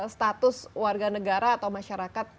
status warga negara atau masyarakat